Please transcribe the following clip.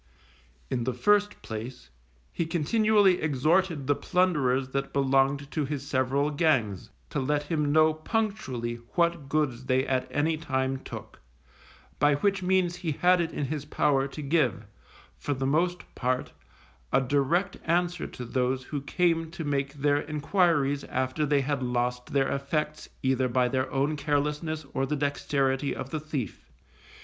In the first place, he continually exhorted the plunderers that belonged to his several gangs, to let him know punctually what goods they at any time took, by which means he had it in his power to give, for the most part, a direct answer to those who came to make their enquiries after they had lost their effects, either by their own carelessness, or the dexterity of the thief.